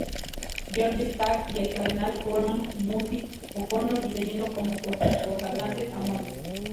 George Stack y el cardenal Cormac Murphy-O'Connor y teniendo como co-consagrantes a Mons.